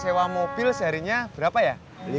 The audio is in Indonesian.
sewa mobil seharinya berapa ya